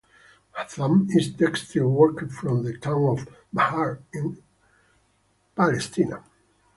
Azzam is a textile worker from the town of Maghar in Israel.